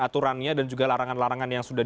aturannya dan juga larangan larangan yang sudah